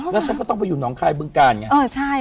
แล้วฉันก็ต้องไปอยู่น้องคลายเบื้องกาลไง